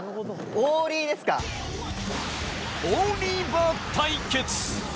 オーリーバー対決。